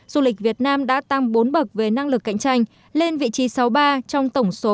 du lịch việt nam đã tăng bốn bậc về năng lực cạnh tranh lên vị trí sáu ba trong tổng số một trăm bốn mươi ba